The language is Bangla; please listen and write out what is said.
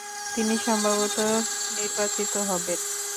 তিনি সম্ভবত নির্বাচিত হবেন।